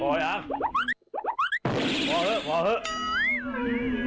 พออยาก